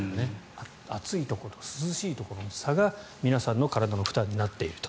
暑いところと涼しいところの差が皆さんの体の負担になっていると。